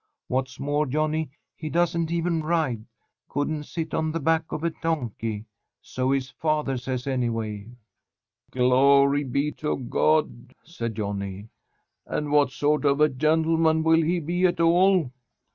What's more, Johnny, he doesn't even ride, couldn't sit on the back of a donkey. So his father says, anyway." "Glory be to God!" said Johnny, "and what sort of a gentleman will he be at all?"